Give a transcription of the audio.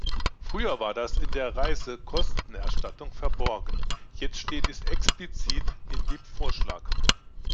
Früher war das in der Reisekostenerstattung verborgen, jetzt steht es explizit in dem Vorschlag.